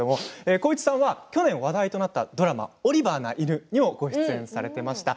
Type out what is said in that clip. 浩市さんは去年話題となったドラマ「オリバーな犬」にもご出演されました。